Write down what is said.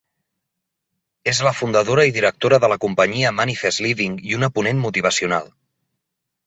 És la fundadora i directora de la companyia Manifest Living i una ponent motivacional.